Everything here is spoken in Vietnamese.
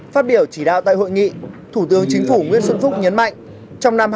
phát biểu chỉ đạo tại hội nghị thủ tướng chính phủ nguyễn xuân phúc nhấn mạnh